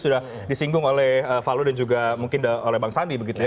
mungkin juga diperhatikan oleh pak valo dan juga mungkin oleh bang sandi begitu ya